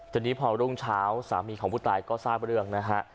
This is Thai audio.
ทีนี้พอรุ่งเช้าสามีของผู้ตายก็ทราบเรื่องนะฮะ